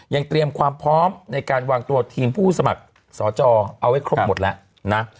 ยังเตรียมความพร้อมในการวางตัวทีมผู้สมัครสอจอเอาไว้ครบหมดแล้วนะ